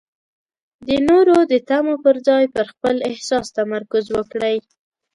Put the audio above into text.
د نورو د تمو پر ځای پر خپل احساس تمرکز وکړئ.